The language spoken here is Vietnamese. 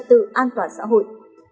tự an toàn xã hội